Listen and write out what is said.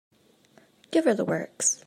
Give her the works.